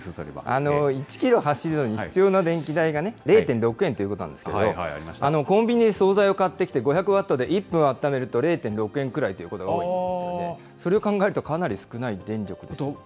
１キロ走るのに必要な電気代が、０．６円ということなんですけれども、コンビニで総菜を買ってきて５００ワットで１分温めると、０．６円ぐらいということが分かってますので、それを考えるとかなり少ない電力ですね。